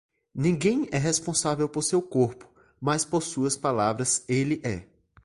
Ninguém é responsável por seu corpo, mas por suas palavras ele é.